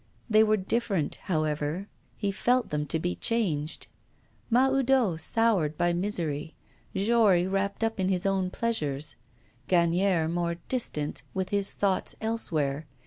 They were different, however; he felt them to be changed: Mahoudeau soured by misery, Jory wrapt up in his own pleasures, Gagnière more distant, with his thoughts elsewhere.